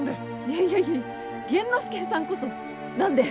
いやいやいや玄之介さんこそ何で？